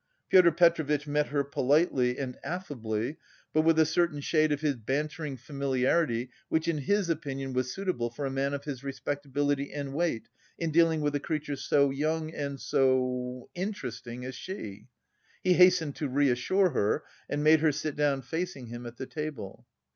Pyotr Petrovitch met her "politely and affably," but with a certain shade of bantering familiarity which in his opinion was suitable for a man of his respectability and weight in dealing with a creature so young and so interesting as she. He hastened to "reassure" her and made her sit down facing him at the table.